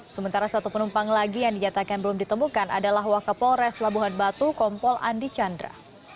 sementara satu penumpang lagi yang dinyatakan belum ditemukan adalah wakapolres labuhan batu kompol andi chandra